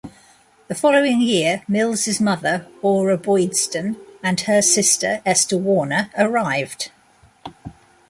The following year Mills' mother, Orra Boydston, and her sister, Esther Warner arrived.